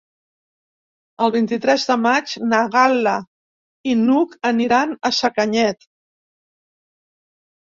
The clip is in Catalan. El vint-i-tres de maig na Gal·la i n'Hug aniran a Sacanyet.